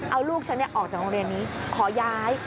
เอาลูกฉันออกจากโรงเรียนนี้ขอย้าย